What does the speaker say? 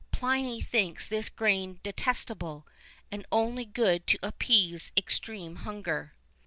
[II 11] Pliny thinks this grain detestable, and only good to appease extreme hunger.